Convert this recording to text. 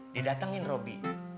dia datangin robby